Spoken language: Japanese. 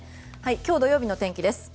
今日、土曜日の天気です。